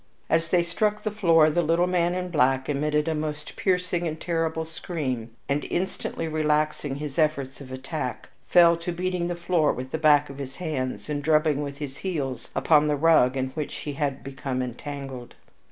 As they struck the floor the little man in black emitted a most piercing and terrible scream, and instantly relaxing his efforts of attack, fell to beating the floor with the back of his hands and drubbing with his heels upon the rug in which he had become entangled.